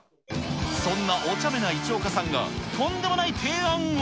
そんなおちゃめな市岡さんがとんでもない提案を。